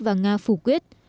và nga phủ quyết